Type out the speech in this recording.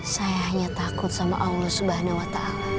saya hanya takut sama allah swt